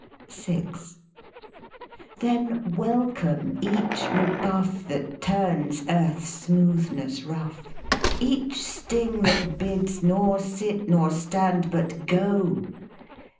VI Then, welcome each rebuff That turns earth's smoothness rough, Each sting that bids nor sit nor stand but go